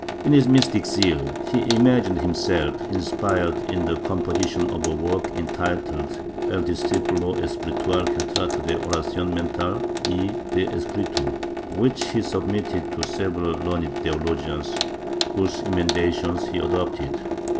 In his mystic zeal he imagined himself inspired in the composition of a work entitled El Discipulo espiritual que trata de oracion mental y de espirilu, which he submitted to several learned theologians, whose emendations he adopted.